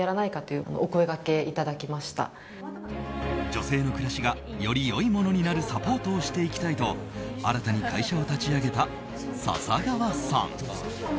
女性の暮らしがより良いものになるサポートをしていきたいと新たに会社を立ち上げた笹川さん。